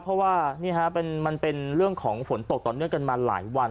เพราะว่านี่ฮะมันเป็นเรื่องของฝนตกต่อเนื่องกันมาหลายวัน